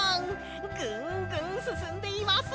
ぐんぐんすすんでいます！